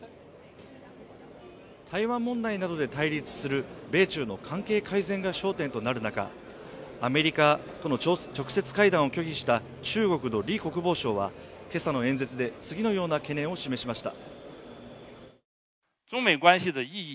台湾問題などで対立する米中の関係改善が焦点となる中、アメリカとの直接会談を拒否した中国の李国防相は、今朝の演説で次のような懸念を示しました。